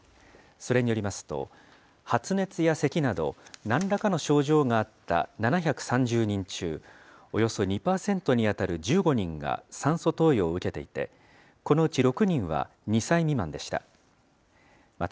それによりますと、発熱やせきなど、なんらかの症状があった７３０人中、およそ２％に当たる１５人が酸素投与を受けていて、このうち６人は２歳未満でした。